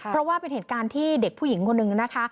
เพราะว่าเป็นเหตุการณ์ที่เด็กผู้หญิงคนหนึ่งนะคะ